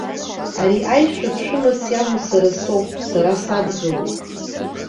Ари аишәа ԥшәымас иамоу сара соуп, сара садгылоуп.